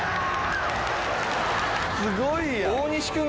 すごいやん。